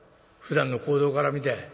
ふだんの行動から見て。